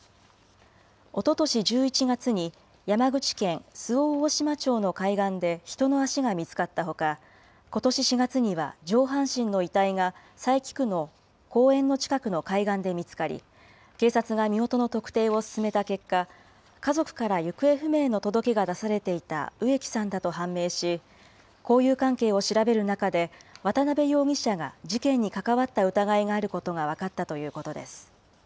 おととし１１月に、山口県周防大島町の海岸で人の足が見つかったほか、ことし４月には上半身の遺体が、佐伯区の公園の近くの海岸で見つかり、警察が身元の特定を進めた結果、家族から行方不明の届けが出されていた植木さんだと判明し、交友関係を調べる中で、渡部容疑者が事件に関わった疑いがあることが分かったということです。